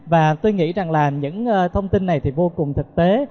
và tôi nghĩ rằng là những thông tin này thì vô cùng thực tế